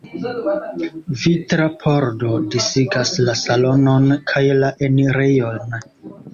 Vitra pordo disigas la salonon kaj la enirejon.